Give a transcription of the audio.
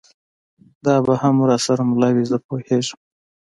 دا به هم را سره مله وي، زه پوهېدم.